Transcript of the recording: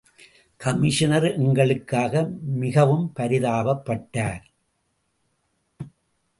Commissioner எங்களுக்காக மிகவும் பரிதாபப்பட்டார்.